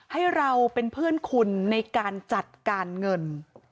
ให้เราเป็นเพื่อนคุณในการจัดการเงิน